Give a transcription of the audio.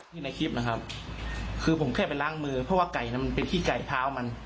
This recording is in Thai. นี่ในคลิปนะครับคือผมแค่ไปล้างมือเพราะว่าไก่นั้นมันเป็นขี้ไก่เท้ามัน